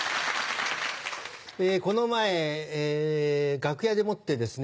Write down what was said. この前楽屋でもってですね